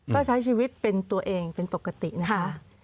ก็ใช้ชีวิตเป็นตัวเองเป็นปกตินะคะ